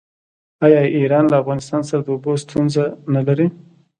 آیا ایران له افغانستان سره د اوبو ستونزه نلري؟